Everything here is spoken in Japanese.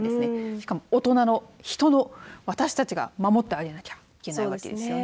しかも大人の人の私たちが守ってあげなきゃいけないわけですよね。